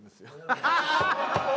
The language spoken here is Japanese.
ハハハハ！